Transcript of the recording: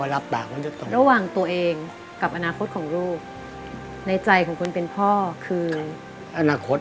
รักคุณพ่อไหมลูก